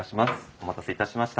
お待たせしました。